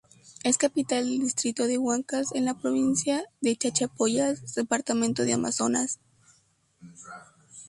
Es capital del distrito de Huancas en la provincia de Chachapoyas, departamento de Amazonas.